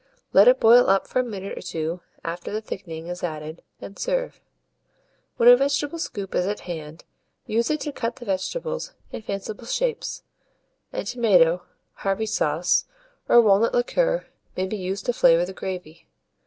Let it boil up for a minute or two after the thickening is added, and serve. When a vegetable scoop is at hand, use it to cut the vegetables in fanciful shapes, and tomato, Harvey's sauce, or walnut liquor may be used to flavour the gravy.